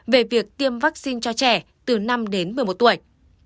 về việc tiêm vaccine cho trẻ từ năm đến một mươi một tuổi